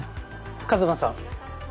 一馬さん